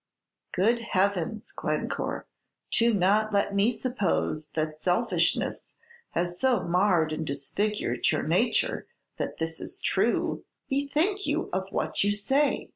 "Good Heavens! Glencore, do not let me suppose that selfishness has so marred and disfigured your nature that this is true. Bethink you of what you say.